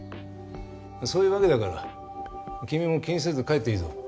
そういうわけだから君も気にせず帰っていいぞ。